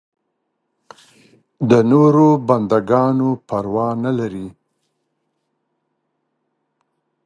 د دې لپاره علمي کار پکار دی.